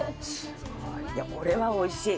これはおいしい。